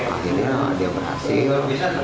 akhirnya dia berhasil